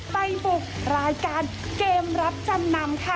ไปบุกรายการเกมรับจำนำค่ะ